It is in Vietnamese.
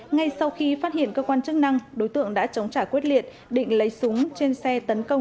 ngay sau khi phát hiện cơ quan chức năng đối tượng đã chống trả quyết liệt định lấy súng trên xe tấn công